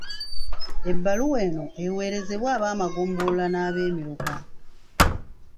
Ebbaluwa eno ewerezebwe ab'amagombolola n'abeemiruka.